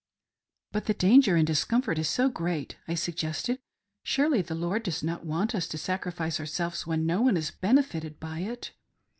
"But the danger and discomfort is so great," I suggested. "Surely the Lord does not want us to sacrifice ourselves when no one is benefitted by it